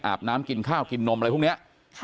อาบน้ำกินข้าวกินนมอะไรพรุ่งเนี้ย